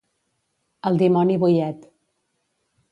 El dimoni boiet.